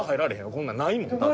こんなんないもんだって。